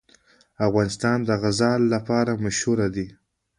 افغانستان د زغال لپاره مشهور دی.